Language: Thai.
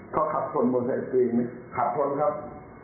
เขาขับส่วนบนสายสกรีมขับส่วนครับ